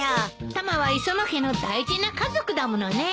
タマは磯野家の大事な家族だものねえ。